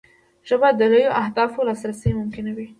ژبه د لویو اهدافو لاسرسی ممکنوي